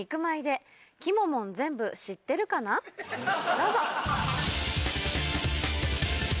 どうぞ。